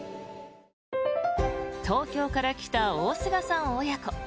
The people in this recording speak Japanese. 東京から来た大須賀さん親子。